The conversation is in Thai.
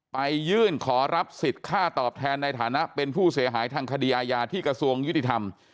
ไปยื่นขอรับสิทธิ์ค่าตอบแทนในฐานะเป็นผู้เสียหายทางคดีอาญาที่กระทรวงยุติธรรม